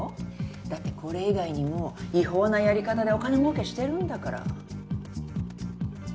だってこれ以外にも違法なやり方でお金もうけしてるんだから。